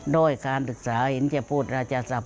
ด้วยการศึกษาหินจะพูดราชาศัพท์